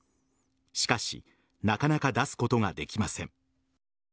しかしなかなか出すことができません。